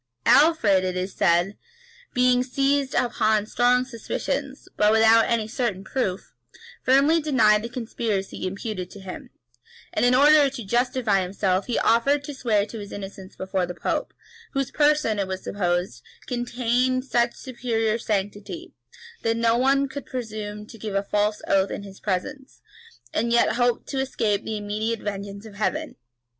Alfred, it is said, being seized upon strong suspicions, but without any certain proof, firmly denied the conspiracy imputed to him; and, in order to justify himself, he offered to swear to his innocence before the pope, whose person, it was supposed, contained such superior sanctity, that no one could presume to give a false oath in his presence, and yet hope to escape the immediate vengeance of Heaven.